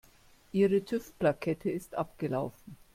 Ihre TÜV-Plakette ist abgelaufen.